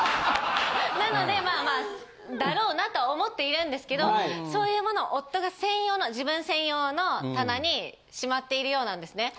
なのでまあだろうなとは思っているんですけどそういうものを夫が専用の自分専用の棚にしまっているようなんですね。